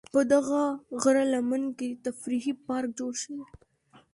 په دغه غره لمن کې تفریحي پارک جوړ شوی.